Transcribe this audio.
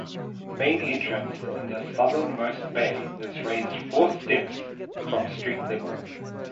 The main entrance in the southernmost bay is raised four steps from street level.